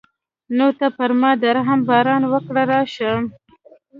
نو ته پر ما د رحم باران وکړه راشه.